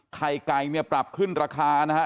ไข่ไก่เนี่ยปรับขึ้นราคานะฮะ